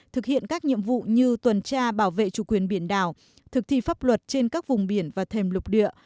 thực hiện các nhiệm vụ như tuần tra bảo vệ chủ quyền biển đảo thực thi pháp luật trên các vùng biển và thềm lục địa